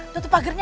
tutup pagernya ya